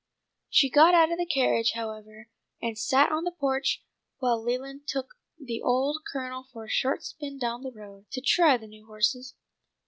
She got out of the carriage, however, and sat on the porch while Leland took the old Colonel for a short spin down the road, to try the new horses.